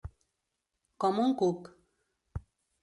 Com un cuc.